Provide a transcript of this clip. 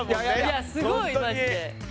いやすごいマジで。